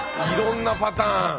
いろんなパターン。